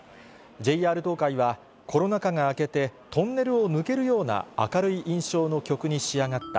ＪＲ東海は、コロナ禍が明けて、トンネルを抜けるような明るい印象の曲に仕上がった。